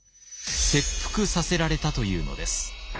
切腹させられたというのです。